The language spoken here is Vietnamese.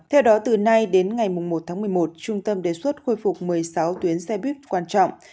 theo đó từ nay đến ngày một tháng một mươi một trung tâm đề xuất khôi phục một mươi sáu tuyến xe buýt quan trọng